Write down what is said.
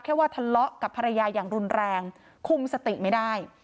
ว่าทะเลาะกับภรรยาอย่างรุนแรงคุมสติไม่ได้